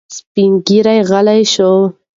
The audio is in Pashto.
سپین ږیری غلی شو.